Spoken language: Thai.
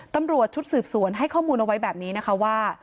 ตำรวจชุดสืบสวนให้ข้อมูลเอาไว้แบบนี้นะคะว่า